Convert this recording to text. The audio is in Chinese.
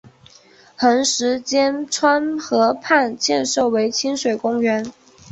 横十间川河畔建设为亲水公园。